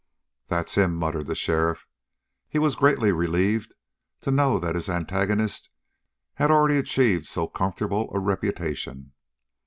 "That's him," muttered the sheriff. He was greatly relieved to know that his antagonist had already achieved so comfortable a reputation.